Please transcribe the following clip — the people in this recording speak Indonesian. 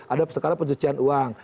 ada sekarang pencucian uang